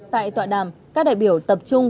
tại tọa đàm các đại biểu tập trung